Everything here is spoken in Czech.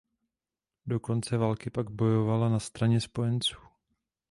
Do konce války pak bojovala na straně spojenců.